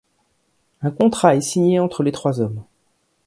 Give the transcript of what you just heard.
Un contrat est signé entre les trois hommes.